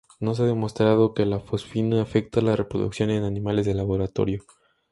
No se ha demostrado que la fosfina afecta la reproducción en animales de laboratorio.